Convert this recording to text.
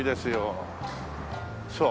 そう。